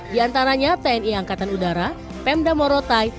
diantaranya tni angkatan udara pemda morotai